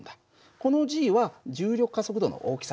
このは重力加速度の大きさだよ。